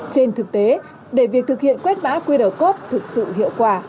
trên thực tế để việc thực hiện quét mã qr code thực sự hiệu quả